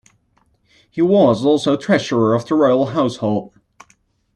He was also Treasurer of the Royal Household.